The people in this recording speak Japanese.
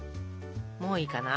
もういいかな。